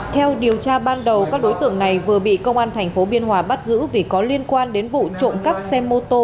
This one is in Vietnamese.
theo điều tra ban đầu các đối tượng này vừa bị công an tp biên hòa bắt giữ vì có liên quan đến vụ trộm cắp xe mô tô